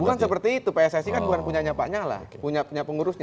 bukan seperti itu pssi kan bukan punyanya pak nyala punya pengurusnya